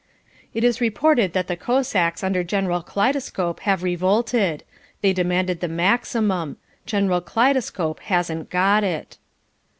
It is reported that the Cossacks under General Kaleidescope have revolted. They demand the Maximum. General Kaleidescope hasn't got it.